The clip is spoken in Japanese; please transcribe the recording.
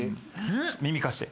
耳貸して。